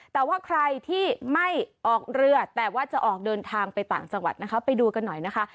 แต่ว่าใครที่ไม่ออกเรือแต่ว่าจะออกเดินทางไปต่างจังหวัดนะคะไปดูกันหน่อยนะคะ